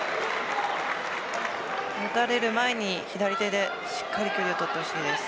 持たれる前に、左手でしっかり距離をとってほしいです。